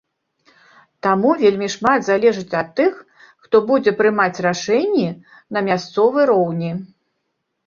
Таму вельмі шмат залежыць ад тых, хто будзе прымаць рашэнні на мясцовы роўні.